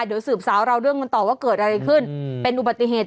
เดี๋ยวสืบสาวเราเรื่องกันต่อว่าเกิดอะไรขึ้นเป็นอุบัติเหตุ